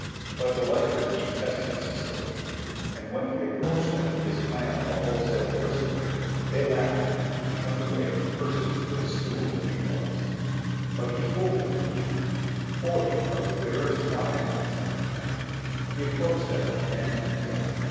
But the lifers detested Cecil Winwood, and, when he approached them with his plan of a wholesale prison break, they laughed at him and turned away with curses for the stool that he was. But he fooled them in the end, forty of the bitterest wise ones in the pen. He approached them again and again.